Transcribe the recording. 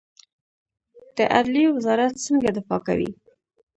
د عدلیې وزارت څنګه دفاع کوي؟